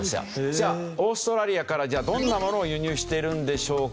じゃあオーストラリアからどんなものを輸入しているんでしょうか？